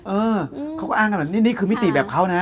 เออเขาก็อ้างกันแบบนี้นี่คือมิติแบบเขานะ